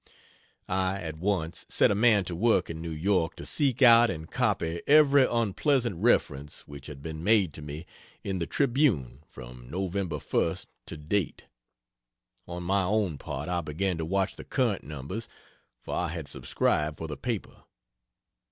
I at once set a man to work in New York to seek out and copy every unpleasant reference which had been made to me in the Tribune from Nov. 1st to date. On my own part I began to watch the current numbers, for I had subscribed for the paper.